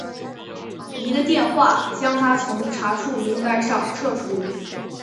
一个电话将他从查处名单上撤除。